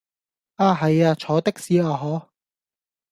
啊係呀坐的士啊可